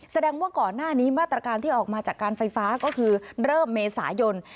แสดงว่าก่อนหน้านี้มาตรการที่ออกมาจากการไฟฟ้าก็คือเริ่มเมษายน